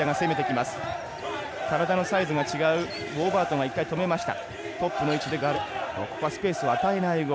体のサイズが違うウォーバートンが１回止めました。